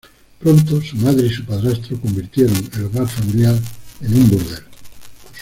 Pronto, su madre y su padrastro convirtieron el hogar familiar en un burdel.